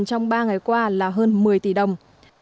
trong ba ngày qua là hơn một mươi tỷ đồng